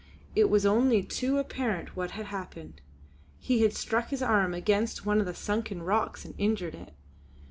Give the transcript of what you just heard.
It was only too apparent what had happened; he had struck his arm against one of the sunken rocks and injured it.